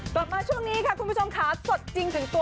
กลับมาช่วงนี้ค่ะคุณผู้ชมค่ะสดจริงถึงตัว